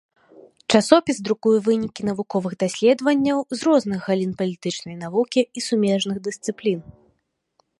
Часопіс друкуе вынікі навуковых даследаванняў з розных галін палітычнай навукі і сумежных дысцыплін.